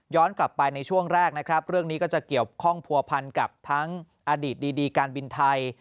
กลับไปในช่วงแรกนะครับเรื่องนี้ก็จะเกี่ยวข้องผัวพันกับทั้งอดีตดีการบินไทย